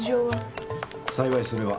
幸いそれは。